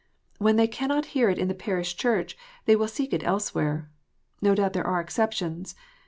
When they cannot hear it in the parish church they will seek it elsewhere. Xo doubt there are exceptions.